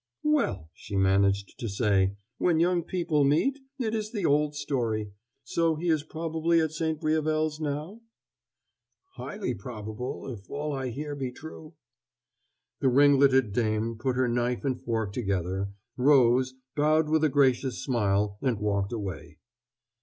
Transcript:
"Well," she managed to say, "when young people meet it is the old story. So he is probably at 'St. Briavels' now?" "Highly probable if all I hear be true." The ringleted dame put her knife and fork together, rose, bowed with a gracious smile, and walked away.